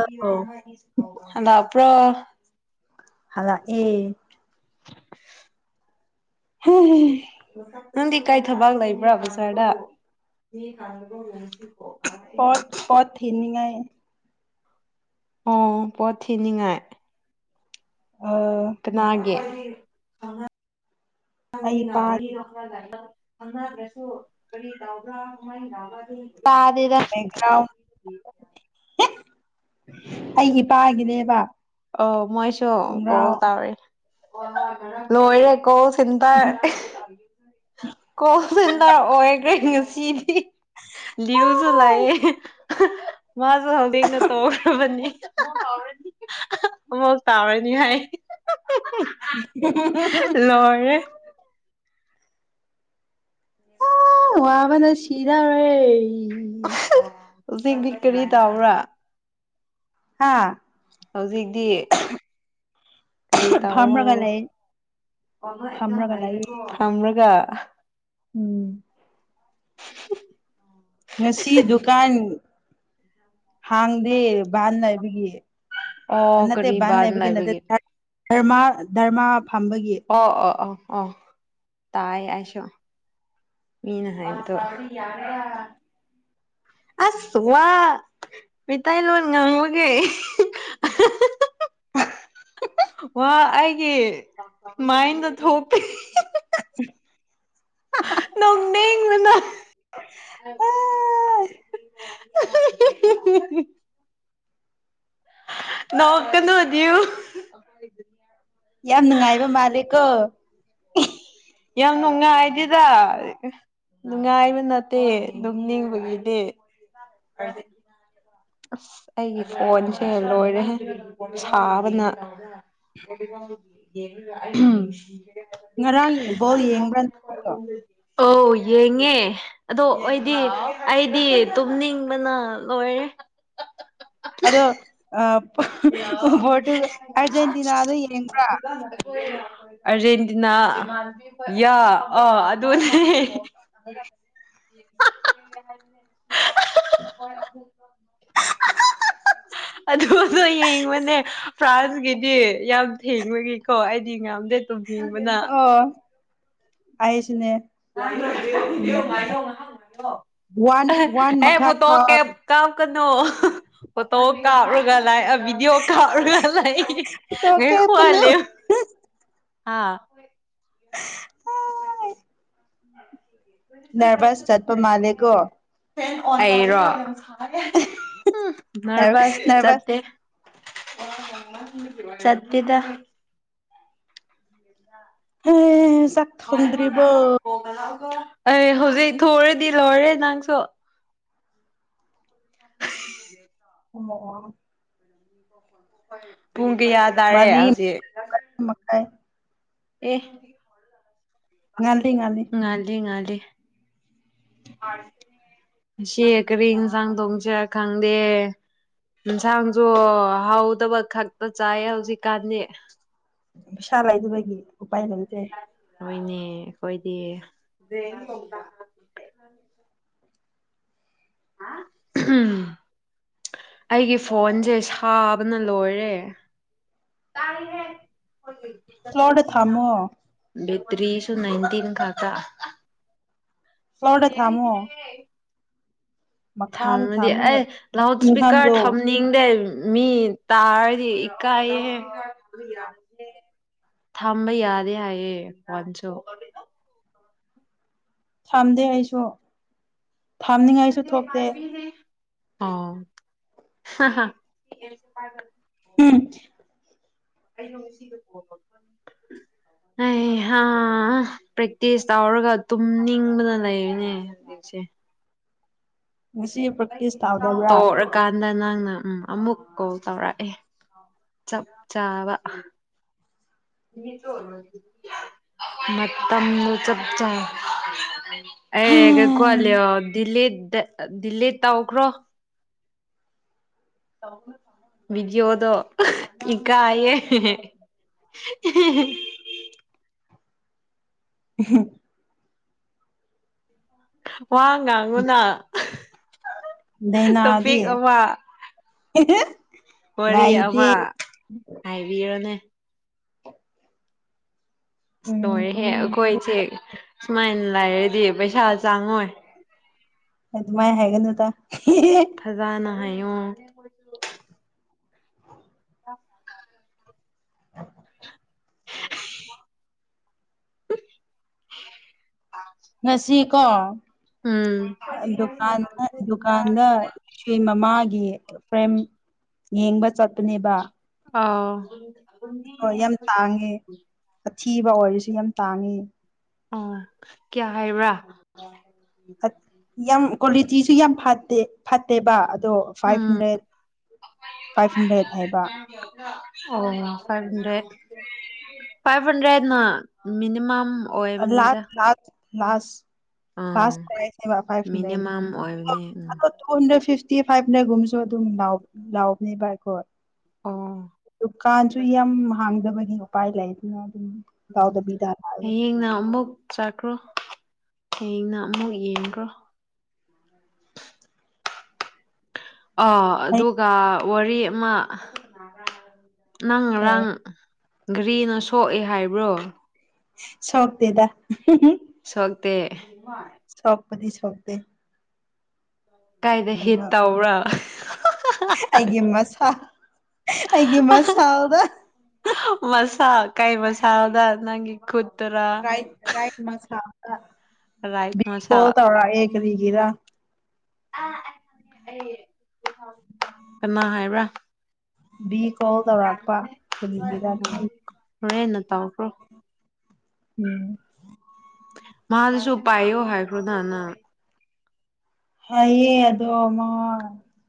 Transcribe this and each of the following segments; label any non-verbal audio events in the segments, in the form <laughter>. ꯑꯧ ꯍꯟꯂꯛꯄ꯭ꯔꯣ <unintelligible> ꯍꯂꯛꯑꯦ <unintelligible> ꯅꯪꯗꯤ ꯀꯥꯏ ꯊꯕꯥꯛ ꯂꯩꯕ꯭ꯔꯥ ꯕꯖꯥꯔꯗ ꯄꯣꯠ ꯄꯣꯠ ꯊꯤꯟꯅꯤꯡꯉꯥꯏ ꯑꯦ ꯑꯣ ꯄꯣꯠ ꯊꯤꯅꯤꯡꯉꯥꯏ ꯑ ꯀꯅꯥꯒꯤ ꯑꯦ ꯑꯉ ꯑꯩ <unintelligible> ꯏꯄꯥꯒꯤ ꯅꯥꯕꯒꯤ <unintelligible> ꯑꯃꯒꯁꯨ ꯀꯔꯤ ꯇꯧꯕ꯭ꯔꯥ ꯀꯃꯥꯏ ꯇꯥꯎꯕ꯭ꯔ <unintelligible> ꯇꯥꯗꯦꯗ ꯕꯦꯛꯒ꯭ꯔꯥꯎꯟ ꯑꯩꯒꯤ ꯄꯥꯒꯤꯅꯦꯕ ꯑꯣ ꯃꯣꯏꯁꯨ ꯀꯣꯜ ꯇꯧꯔꯤ <unintelligible> ꯂꯣꯏꯔꯦ ꯀꯣꯜ ꯁꯦꯟꯇꯔ ꯀꯣꯜ ꯁꯦꯟꯇꯔ ꯑꯣꯏꯈ꯭ꯔꯦ ꯉꯁꯤꯗꯤ ꯑ ꯂꯤꯌꯨꯁꯨ ꯂꯥꯛꯑꯦ ꯃꯥꯁꯨ ꯍꯧꯖꯤꯛꯅ ꯇꯧꯈ꯭ꯔꯕꯅꯤ ꯑꯃꯨꯛ ꯇꯧꯔꯅꯤ ꯍꯥꯏ <unintelligible> ꯂꯣꯏꯔꯦ ꯑꯥ ꯋꯥꯕꯅ ꯁꯤꯗꯧꯔꯦ <inaudible> ꯍꯧꯖꯤꯛꯕꯤ ꯀꯔꯤ ꯇꯥꯎꯕ꯭ꯔꯥ ꯍꯥꯥ ꯍꯧꯖꯤꯛꯇꯤ ꯀꯔꯤ ꯇꯧꯔꯣ ꯐꯝꯔꯒ ꯂꯩ ꯐꯝꯔꯒ ꯂꯩꯌꯦ <inaudible> ꯎꯝ <inaudible> ꯉꯁꯤ ꯍꯥꯡꯗꯤꯦ ꯚꯟꯅꯥꯕꯒꯤ ꯑꯣ ꯅꯠꯇꯦ ꯀꯔꯤ ꯕꯥꯟ ꯚꯟꯩꯕꯒꯤ ꯅꯠꯇꯦ ꯂꯩꯕꯒꯤ ꯙꯔꯃ ꯙꯔꯃ ꯐꯝꯕꯒꯤ ꯑꯣ ꯑ ꯑ ꯑꯣ ꯇꯥꯏ ꯑꯩꯁꯨ ꯃꯤꯅ ꯍꯥꯏꯕꯗꯣ ꯑꯁ ꯋꯥ ꯃꯇꯩꯂꯣꯟ ꯉꯥꯡꯕꯒꯦ ꯋꯥ ꯑꯩꯒꯤ ꯃꯥꯏꯟꯗ ꯊꯣꯛꯇꯦ ꯅꯣꯡ ꯅ ꯅꯣꯀꯅ ꯃꯅꯤꯨ ꯌꯥꯝ ꯅꯨꯡꯉꯥꯏꯕ ꯃꯥꯂꯦꯀꯣ ꯌꯥꯝ ꯅꯨꯡꯉꯥꯏꯗꯦꯗ ꯅꯨꯡꯉꯥꯏꯕ ꯅꯠꯇꯦ ꯑꯗꯨꯝ ꯅꯤꯡꯕꯒꯤꯗꯤ ꯑꯗꯨꯗꯤ ꯑꯁ ꯑꯩꯒꯤ ꯐꯣꯟꯁꯦ ꯂꯣꯏꯔꯦ ꯁꯥꯕꯅ ꯉꯔꯥꯡ ꯕꯥꯎ ꯌꯦꯡꯕ꯭ꯔꯥ ꯑꯧ ꯌꯦꯡꯉꯦ ꯑꯗꯣ ꯑꯩꯗꯤ ꯑꯩꯗꯤ ꯇꯨꯝꯅꯤꯡꯕꯅ ꯂꯣꯏꯔꯦ ꯑꯗꯣ ꯑ ꯍꯂꯣ ꯑꯥꯔꯖꯦꯟꯇꯤꯅꯥꯗ ꯌꯦꯡꯕ꯭ꯔꯥ ꯑꯔꯖꯦꯟꯇꯤꯅꯥ ꯌꯥ ꯑꯥ ꯑꯗꯨꯅꯦ ꯑꯗꯨ ꯅ ꯌꯦꯡꯕꯅꯦ ꯐ꯭ꯔꯥꯟꯁꯀꯤꯗꯤ ꯌꯥꯝ ꯊꯦꯡꯕꯒꯤꯀꯣ ꯑꯩꯗꯤ ꯉꯝꯗꯦ ꯑꯗꯨ ꯎꯝ ꯑꯌꯦꯁꯤꯅꯦ ꯋꯥꯟ ꯋꯥꯟ ꯑꯦ ꯃꯈꯥ ꯐꯨꯠꯇ ꯀ ꯐꯥꯎ ꯀ ꯀꯩꯅꯣ ꯐꯣꯇꯣ ꯀꯥꯞꯔꯒ ꯂꯥꯛꯑ ꯗꯤꯑꯣ ꯀꯥꯔ ꯂ ꯇꯣꯛ ꯂꯩꯥꯏ ꯈꯋꯥ ꯀꯞꯀꯅꯨ ꯂꯩꯦ ꯑꯥ ꯍꯥꯏ ꯅꯔꯚꯁ ꯆꯠꯄ ꯃꯥꯜꯂꯦꯀꯣ ꯑꯩꯔꯣ ꯎꯝ ꯅꯔ ꯅꯔꯚꯁꯇ ꯅꯔꯚꯁ ꯆꯠꯇꯦ ꯆꯠꯗ ꯍ <unintelligible> ꯑꯦ ꯍꯧꯖꯤꯛ ꯊꯨꯔꯗꯤ ꯂꯣꯏꯔꯦ ꯅꯪꯁꯨ <unintelligible> <unintelligible> <unintelligible> ꯄꯨꯡ ꯀꯌꯥ ꯇꯥꯔꯦ ꯃꯔꯤ ꯍꯧꯖꯤꯛ <unintelligible> ꯑꯦ <unintelligible> ꯉꯥꯟꯗꯤ ꯉꯜꯂꯤ ꯀꯔꯤ ꯌꯦꯟꯁꯥꯡ ꯊꯣꯡꯁꯦ ꯈꯪꯗꯦ ꯌꯦꯟꯁꯥꯡꯁꯨ ꯍꯥꯎꯗꯕ ꯈꯛꯇ ꯆꯥꯏꯌꯦ ꯍꯧꯖꯤꯛꯀꯥꯟꯗꯤ ꯄꯩꯁꯥ ꯂꯩꯗꯨꯕꯒꯤ ꯑꯣꯏꯅꯦ ꯑꯩꯈꯣꯏꯗꯤ <unintelligible> <unintelligible> ꯑꯩꯒꯤ ꯐꯣꯟꯁꯦ ꯁꯥꯕꯅ ꯂꯣꯏꯔꯦ ꯀ꯭ꯂꯣꯗ ꯊꯃꯣ ꯕꯇꯔꯤꯁꯨ ꯅꯥꯏꯟꯇꯤꯟ ꯈꯥꯛꯇꯥ ꯐ꯭ꯂꯣꯔꯗ ꯊꯝꯃꯣ <unintelligible> ꯃꯈꯥꯗ ꯊꯝꯃꯗꯤ ꯊꯝꯃꯒ ꯑꯩ ꯂꯥꯎꯠ ꯏꯁꯄꯤꯀꯔ ꯏꯪꯍꯜꯂꯣ ꯊꯝꯅꯤꯡꯗꯦ ꯃꯤ ꯇꯥꯔꯗꯤ ꯏꯀꯥꯏꯌꯦ ꯊꯝꯕ ꯌꯥꯗꯦ ꯍꯥꯏꯌꯦ ꯋꯥꯟꯁꯨ ꯊꯝꯗꯦ ꯑꯩꯁꯨ ꯊꯥꯝꯅꯤꯉꯥꯏꯁꯨ ꯊꯣꯛꯇꯦ ꯑꯣ ꯎꯝ ꯑꯩ ꯄ꯭ꯔꯦꯛꯇꯤꯁ ꯇꯧꯔꯒ ꯇꯨꯝꯅꯤꯡꯕꯅ ꯂꯩꯔꯤꯅꯦ ꯍꯧꯖꯤꯛꯁꯦ ꯉꯁꯤ ꯄ꯭ꯔꯦꯛꯇꯤꯁ ꯇꯧꯗꯕ꯭ꯔꯥ ꯇꯣꯛꯔꯀꯥꯟꯗ ꯅꯪ ꯎꯟ ꯎꯝ ꯑꯃꯨꯛ ꯀꯣꯜ ꯇꯧꯔꯛ ꯑꯦ ꯆꯞ ꯆꯥꯕ ꯃꯇꯝꯗꯨ ꯆꯞ ꯆ ꯑꯩ ꯀꯩꯀꯣꯂꯣ ꯗ ꯗꯦꯜꯂꯤ ꯇꯧꯈ꯭ꯔꯣ ꯕꯤꯗꯣꯑꯣꯗꯣ ꯏꯀꯥꯏꯑꯌꯦ <unintelligible> ꯋꯥ ꯉꯥꯡꯉꯨꯅ ꯂꯩꯅꯥꯗꯤ ꯇꯣꯄꯤꯛ ꯑꯃ <unintelligible> ꯋꯥꯔꯤ ꯑꯃ ꯍꯥꯏꯕꯤꯔꯅꯦ ꯎꯝ ꯂꯣꯏꯔꯦꯍꯦ ꯀꯔꯤꯅꯣ ꯑꯈꯣꯏꯖꯦ ꯁꯨꯃꯥꯏꯅ ꯂꯩꯔꯗꯤ ꯄꯩꯁꯥ ꯆꯪꯉꯣꯏ ꯑꯗꯨꯃꯥꯥꯏ ꯍꯥꯏꯒꯅꯨꯗ ꯐꯖꯅ ꯍꯥꯏꯌꯣ <inaudible> <inaudible> ꯉꯁꯤ ꯀꯣ ꯑ ꯎꯝ ꯗꯨꯀꯥꯟꯗ ꯗꯨꯀꯥꯟꯗ ꯁꯨ ꯃꯃꯥꯒꯤ ꯐ꯭ꯔꯦꯝ ꯌꯦꯡꯕ ꯆꯠꯄꯅꯦꯕ ꯑꯥ ꯎ ꯍꯣ ꯌꯥꯝ ꯇꯥꯡꯉꯦ ꯑꯊꯤ ꯕ ꯑꯣꯏꯔꯁꯨ ꯌꯥꯝ ꯇꯥꯡꯉꯦ ꯑ ꯀꯌꯥ ꯍꯥꯏꯕ꯭ꯔ ꯑꯠ ꯌꯥꯝ ꯀ꯭ꯋꯥꯂꯤꯇꯤꯁꯨ ꯌꯥꯝ ꯐꯠꯇꯦ ꯐꯠꯇꯦꯕ ꯑꯗꯣ five um hundred five hundred ꯍꯥꯏꯕ ꯑꯣ ꯐꯥꯏ꯭ꯕ ꯍꯟꯗ꯭ꯔꯦꯗ ꯐꯥꯏ꯭ꯕ ꯍꯟꯗ꯭ꯔꯦꯗꯅ ꯃꯤꯅꯤꯃꯝ ꯑ ꯂꯥꯠ ꯑꯣꯏꯕꯅꯤꯗ ꯂꯥꯠ ꯂꯥꯁ ꯑꯥ ꯐꯥꯔ꯭ꯁ ꯑꯣꯏꯔꯁꯦꯕ ꯐꯥꯏ꯭ꯕ ꯃꯤꯅꯤꯃꯝ ꯍꯟ꯭ꯔꯦꯗꯅ ꯑꯣꯏꯕꯅꯦ ꯎꯝ ꯑꯗꯣ ꯇꯨ ꯍꯟꯗ꯭ꯔꯦꯗ ꯐꯤꯐ ꯐꯤꯐꯇꯤ ꯐꯥꯏꯚꯅ ꯒꯨꯝꯁꯨ ꯑꯗꯨꯝ ꯂꯥꯎ ꯂꯥꯎꯕꯅꯦ ꯚꯥꯏꯀꯣ ꯑꯣ ꯗꯨꯀꯥꯥꯟꯁꯨꯨ ꯌꯥꯝ ꯍꯥꯡꯗꯕ ꯎꯄꯥꯏ ꯂꯩꯇꯦꯅ ꯎꯝ ꯍꯌꯦꯡꯅ ꯑꯃꯨꯛ ꯆꯠꯈ꯭ꯔꯣ ꯍꯌꯦꯡꯅ ꯑꯃꯨꯛ ꯌꯦꯡꯒ꯭ꯔꯣ ꯑꯥ ꯑꯩ ꯑꯗꯨꯒ ꯋꯥꯔꯤ ꯑꯃ ꯅꯪ ꯀꯩ ꯉꯔꯥꯡ ꯘꯔꯤꯅ ꯁꯣꯛꯑꯦ ꯍꯥꯏꯕ꯭ꯔꯣ ꯁꯣꯛꯇꯦꯗ ꯁꯣꯛꯇꯦ ꯁꯣꯄꯗꯤ ꯁꯣꯛꯇꯦ ꯀꯥꯏꯗ ꯍꯤꯠ ꯑꯗꯣ ꯇꯧꯕ꯭ꯔ ꯑꯩꯒꯤ ꯃꯁꯥ ꯑꯩꯒꯤ ꯃꯁꯥꯎꯗ ꯃꯁꯥꯥꯛ ꯀꯩꯕ ꯁꯥꯥꯎꯗ ꯅꯪꯒꯤ ꯈꯨꯠꯇꯔꯥ ꯔꯥꯏ ꯔꯥꯏꯠ ꯃꯁꯥ ꯑ ꯔꯥꯏꯠ ꯃꯁꯥ ꯒꯔ ꯀꯅꯥ ꯍꯥꯏꯕ꯭ꯔꯥ <inaudible> <unintelligible> ꯇꯧꯔꯛꯄ ꯀꯔꯤꯒꯤꯔ ꯈꯪ ꯍꯦ ꯅ ꯇ꯭ꯔꯣ ꯎꯝ ꯃꯥꯗꯨꯁꯨ ꯄꯥꯏꯌꯣ ꯍꯥꯏꯈ꯭ꯔꯣ ꯅꯅ ꯍꯥꯏꯌꯦ ꯑꯗꯣ ꯃ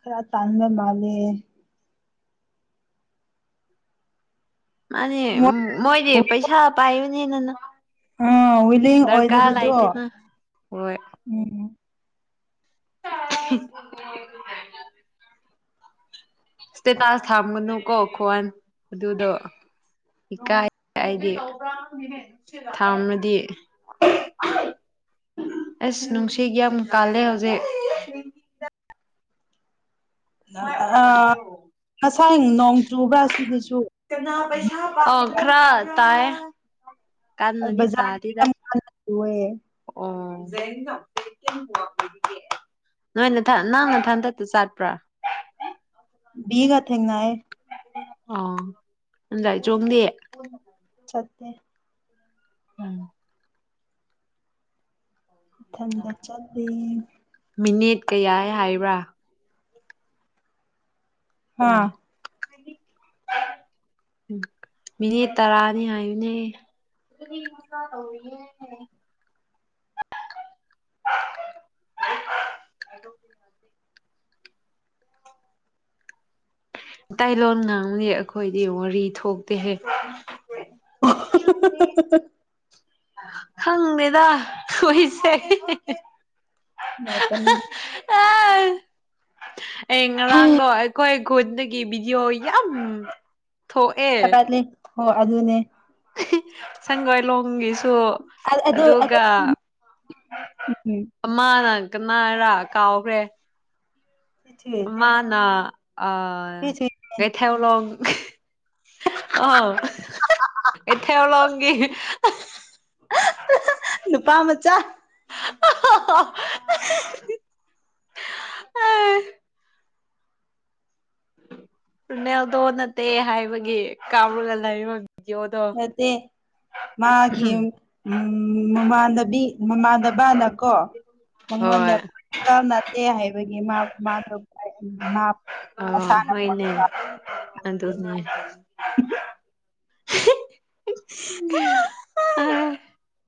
ꯈꯔ ꯇꯥꯟꯕ ꯃꯥꯜꯂꯦ ꯃꯥꯅꯤ ꯃꯣꯏ ꯃꯣꯏꯗꯤ ꯄꯩꯁꯥ ꯄꯥꯏ ꯅꯅ ꯑ ꯋꯤꯂꯤꯡ ꯑꯣꯏꯗꯕꯗꯣ ꯍꯣꯏ ꯎꯝ <unintelligible> ꯏꯁꯇꯦꯇꯥꯁ ꯊꯥꯝꯒꯅꯨꯀꯣ ꯈꯣꯟ ꯑꯗꯨꯗꯣ ꯏꯀꯥꯏ ꯍꯥꯏꯗꯤ ꯊꯥꯝꯃꯗꯤ <inaudible> ꯑꯁ ꯅꯨꯡꯁꯤꯒꯤ ꯌꯥꯝ ꯀꯥꯜꯂꯦ ꯍꯧꯖꯤꯛ ꯑ ꯐ ꯅꯣꯡ ꯆꯨꯕ꯭ꯔꯥ ꯁꯤꯗꯁꯨ ꯀꯅꯥ ꯄꯩꯁꯥ ꯑꯣ ꯈꯔ ꯇꯥꯏ ꯀꯥꯥꯟ ꯃꯅꯤ ꯕꯖꯥꯔꯗ ꯇꯥꯗꯤꯗ ꯌꯥꯝ ꯀꯟꯅ ꯆꯨꯋꯦ ꯑꯣ ꯅꯣꯏꯅ ꯅꯪꯅ ꯍꯟꯗꯛꯇ ꯆꯥꯠꯄ꯭ꯔꯥ <inaudible> ꯤꯒꯠ ꯍꯦꯡꯅꯥꯏ ꯑꯣ ꯑꯗꯨꯗꯥ ꯆꯣꯡꯗꯦ ꯠꯇꯦ ꯎꯝ ꯏꯊꯟꯗ ꯆꯠꯦ ꯃꯤꯅꯤꯠ ꯀꯌꯥ ꯍꯥꯏꯕ꯭ꯔꯥ ꯑꯣ ꯍꯥꯥ ꯃꯤꯅꯤꯠ ꯇꯔꯥꯅꯤ ꯍꯥꯏꯌꯅꯦ ꯏꯇꯩꯥꯏꯂꯣꯟꯣꯟ ꯉꯥꯡꯅꯤ ꯑꯩꯈꯣꯏꯗꯤ ꯋꯥꯔꯤ ꯊꯣꯛꯇꯦꯍꯦ <inaudible> <unintelligible> ꯈꯪꯗꯦꯗ ꯍꯣꯏꯁꯦ <unintelligible> <unintelligible> ꯑꯩ ꯉꯔꯥꯡꯗꯣ ꯑꯩꯈꯣꯏ ꯈꯨꯨꯟ ꯒꯤ ꯕꯤꯗꯤꯑꯣ ꯌꯥꯝ ꯊꯣꯛ ꯑꯦ ꯊꯥꯒꯠꯂꯤ ꯑꯗꯨꯅꯦ ꯁꯒꯥꯏ ꯂꯣꯡꯒꯤꯁ ꯁꯣ ꯑꯗꯨ ꯑꯗꯨ ꯑꯗꯨꯒ ꯎꯝ ꯑꯃꯅ ꯀꯃꯔ ꯀꯥꯎꯈ꯭ꯔꯦ ꯃꯥꯅꯥ <unintelligible> ꯑꯣ ꯀꯩꯊꯦꯜꯂꯣꯟꯒꯤ ꯅꯨꯄꯥ ꯃꯆꯥ <unintelligible> <unintelligible> ꯄꯨꯨꯅꯦꯜꯗꯣ ꯅꯠꯇꯦ ꯍꯥꯏꯕꯒꯤ ꯀꯥꯞꯔꯒ ꯂꯥꯏꯑꯣꯡ ꯅꯠꯇꯦ ꯃꯥꯒꯤ ꯃꯃꯥꯟꯅꯕꯤ ꯃꯃꯥꯟꯅꯕꯅꯀꯣ ꯍꯣꯏ ꯃꯉꯣꯟꯗ ꯄꯨꯄꯒ ꯅꯠꯇꯦ ꯍꯥꯏꯕꯒꯤ ꯃꯥ ꯃꯥꯗꯣ ꯃꯥ ꯑ ꯃꯁꯥꯅ ꯍꯣꯏꯅꯦ ꯄꯣꯔꯇꯨꯒꯜ ꯑꯗꯣꯅ <unintelligible> <unintelligible>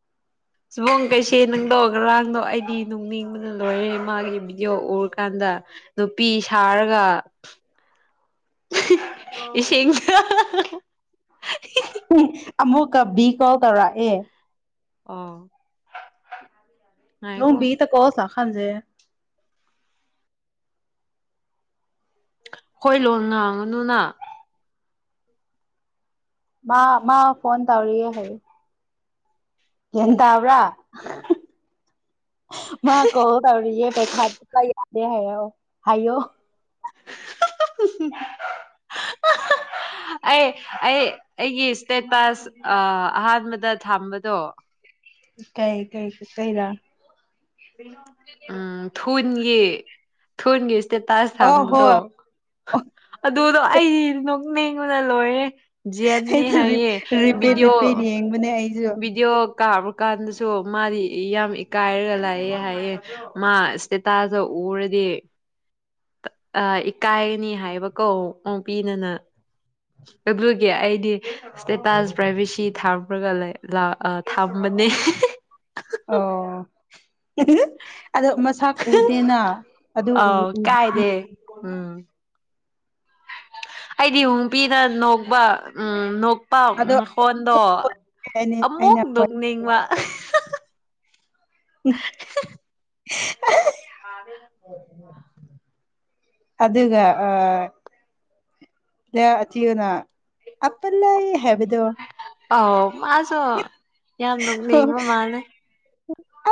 ꯁꯤꯨꯕꯣꯡ ꯀꯩꯁꯦ ꯅꯪꯗꯧ ꯉꯥꯔꯥꯡꯗꯣ ꯑꯩꯗꯤ ꯅꯣꯛꯅꯤꯡꯕꯅ ꯂꯣꯏꯔꯦ ꯃꯥꯒꯤ ꯕꯤꯗꯦꯑꯣ ꯎꯔꯀꯥꯟꯗ ꯅꯨꯄꯤ ꯁꯥꯔꯒ ꯏꯁꯤꯡ ꯑꯃꯨꯛꯀ ꯕꯤ ꯀꯣꯜ ꯇꯧꯔꯛꯑꯦ ꯑꯣ ꯉꯥꯏꯈꯣ <unintelligible> ꯈꯪꯗꯦ ꯍꯣꯏ ꯂꯣꯟ ꯉꯥꯡꯉꯅꯨꯅ ꯃꯥ ꯃꯥ ꯐꯣꯟ ꯇꯧꯔꯤ ꯍꯥꯖꯤꯛ ꯒꯌ꯭ꯥꯟꯇꯕ꯭ꯔꯥ ꯃꯥ ꯀꯣꯜ ꯇꯧꯔꯤ ꯄꯥꯏꯈꯠꯂꯒꯦ ꯗꯦ ꯍꯥꯏ ꯍꯥꯏꯌꯣ ꯑꯩ ꯑꯩ ꯑꯩꯒꯤ ꯏꯁꯇꯦꯇꯁ ꯑꯍꯥꯟꯕꯗ ꯊꯝꯕꯗꯣ ꯀꯩ ꯀꯩ ꯀꯩꯗ ꯎꯝ ꯊꯨꯅꯤ ꯌꯦ ꯊꯨꯟꯁꯤ ꯏꯁꯇꯦꯇꯁ ꯑꯣ ꯊꯝꯕꯗꯣ ꯍꯣꯏ ꯑꯗꯨꯗꯣ ꯑꯩꯗꯤ ꯅꯣꯛ ꯅꯤꯡꯕꯅ ꯂꯣꯏꯔꯦ ꯖꯦꯟꯅꯦ ꯑꯩꯗꯣ ꯔꯤꯄꯤꯠ ꯔꯤꯄꯤꯠ ꯌꯦꯡꯕꯅꯦ ꯑꯩ ꯕꯤꯗꯤꯌꯣ ꯀꯥꯕ ꯀꯥꯟꯗꯁꯨ ꯃꯥꯗꯤ ꯌꯥꯝ ꯀꯥꯥꯏꯒ ꯂꯩꯌꯦ ꯍꯥꯏꯌꯦ ꯃꯥ ꯏꯁꯇꯦꯇꯁꯇꯣ ꯎꯔꯗꯤ ꯑ ꯏꯀꯥꯏꯅꯤ ꯍꯥꯏꯕꯀꯣ ꯎꯕꯤꯅꯤꯅ ꯑꯗꯨꯒꯤ ꯑꯩꯗꯤ ꯏꯁꯇꯦꯇꯁ ꯄ꯭ꯔꯥꯏꯚꯦꯁꯤ ꯊꯝꯃꯒ ꯂꯩ ꯂꯥ ꯑ ꯊꯝꯕꯅꯦ ꯑꯣ ꯑꯣ ꯃꯁꯛ ꯎꯗꯦꯅ ꯑꯗꯨ ꯑꯥꯎ ꯎꯗ꯭ꯔꯗꯤ ꯀꯥꯏꯗꯦ ꯎꯝ ꯑꯩꯗꯤ ꯋꯤꯎꯄꯤꯅ ꯅꯣꯛꯄ ꯎꯝ ꯅꯣꯛ ꯑꯗꯣ ꯃꯈꯣꯟꯗꯣ ꯑꯩꯅ ꯑꯃꯨꯛ ꯑꯩꯅ ꯍꯣꯏ ꯅꯣꯛꯅꯤꯡꯕ ꯎ ꯑ ꯑꯗꯨꯒ ꯑ ꯊꯤꯌꯣꯅ ꯑꯄꯜꯂꯩ ꯍꯥꯏꯕꯗꯣ ꯑꯧ ꯃꯥꯁꯨ ꯌꯥꯝ ꯅꯣꯛꯅꯤꯡꯕ ꯃꯥꯜꯂꯦ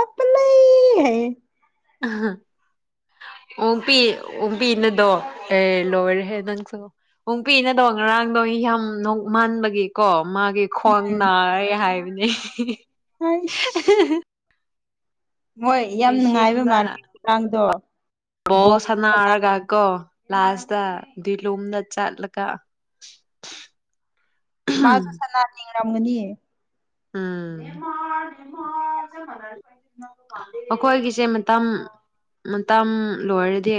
ꯑꯄꯜꯂꯩ ꯍꯥꯏꯌꯦ ꯑꯣꯡꯄꯤ ꯑꯣꯡꯄꯤꯅꯗꯣ ꯑꯦ ꯂꯣꯏꯔꯦꯍꯦ ꯅꯪꯁꯨ ꯑꯣꯡꯄꯤꯅꯗꯣ ꯉꯔꯥꯡꯗꯣ ꯌꯥꯝ ꯅꯣꯛꯃꯟꯕꯒꯤꯀꯣ ꯃꯥꯒꯤ ꯈ꯭ꯋꯥꯡ ꯅꯥꯔꯦ ꯍꯥꯏ ꯍꯥꯢꯕꯅꯦ ꯑꯁ ꯃꯣꯏ ꯌꯥꯝ ꯅꯨꯡꯉꯥꯏꯕ ꯏꯁꯤꯡꯗ ꯃꯥꯜꯂꯦ ꯉꯔꯥꯡꯗꯣ ꯕꯣꯜ ꯁꯥꯅꯔꯒꯀꯣ ꯂꯥꯁꯇ ꯗꯤ ꯂꯨꯝꯅ ꯆꯠꯂꯒ ꯃꯥꯁꯨ ꯁꯅꯔꯅꯤ ꯔꯝꯒꯅꯤꯌꯦ ꯎꯝ ꯑꯩꯈꯣꯏꯒꯤꯁꯦ ꯃꯇꯝ ꯃꯇꯝ ꯂꯣꯏꯔꯗꯤ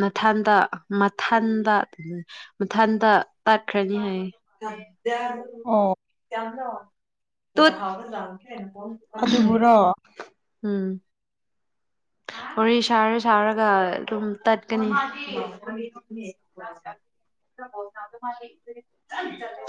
ꯃꯊꯟꯗ ꯃꯊꯟꯗ ꯃꯊꯟꯗ ꯇꯠꯈ꯭ꯔꯅꯤ ꯍꯥꯏꯌꯦ ꯗ ꯑꯣ ꯌꯥꯕꯔꯣ ꯇꯨꯠ ꯑꯗꯨꯕꯨꯔꯣ ꯎꯝ ꯋꯥꯔꯤ ꯁꯥꯔ ꯁꯥꯔꯒ ꯑꯗꯨꯝ ꯇꯠꯀꯅꯤ <unintelligible>